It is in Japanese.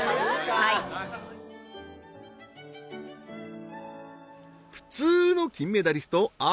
はい普通の金メダリスト阿部詩